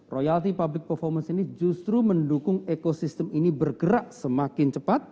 royalty public performance ini justru mendukung ekosistem ini bergerak semakin cepat